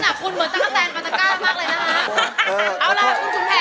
ลักษณะคุณเหมือนตั้งแต่การตะกาลมากเลยนะฮะ